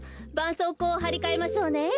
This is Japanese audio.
そうこうをはりかえましょうね。